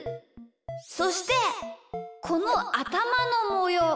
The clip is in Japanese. そしてこのあたまのもよう。